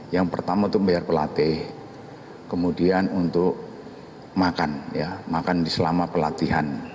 yang pertama itu membayar pelatih kemudian untuk makan makan selama pelatihan